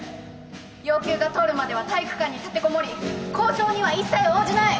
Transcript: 要求が通るまでは体育館に立てこもり交渉には一切応じない！